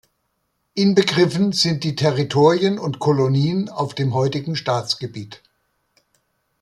Inbegriffen sind die Territorien und Kolonien auf dem heutigen Staatsgebiet.